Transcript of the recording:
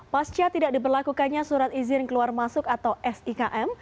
pasca tidak diberlakukannya surat izin keluar masuk atau sikm